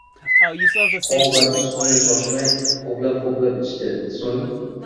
Hovard sutni shoshmay, hoʻplab-hoʻplab ichdi, soʻng